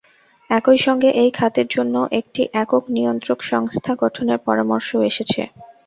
একই সঙ্গে এই খাতের জন্য একটি একক নিয়ন্ত্রক সংস্থা গঠনের পরামর্শও এসেছে।